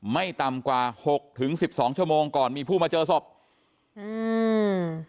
ไม่ต่ำกว่าหกถึงสิบสองชั่วโมงก่อนมีผู้มาเจอศพอืม